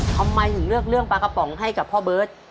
ทำไมถึงเลือกเรื่องปลากระป๋องให้กับพ่อเบิร์ต